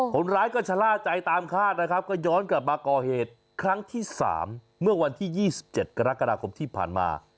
คนร้ายก็ชะล่าใจตามคาดนะครับก็ย้อนกลับมาก่อเหตุครั้งที่๓เมื่อวันที่๒๗กรกฎาคมที่ผ่านมา